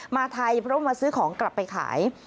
มาไทยเพราะมาซื้อของกลับไปขาย